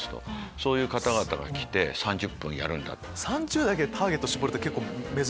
そういう方々が来て３０分やるんだと。